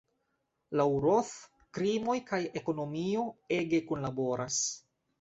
Laŭ Roth krimoj kaj ekonomio ege kunlaboras.